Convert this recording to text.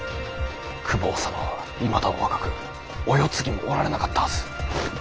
公方様はいまだお若くお世継ぎもおられなかったはず。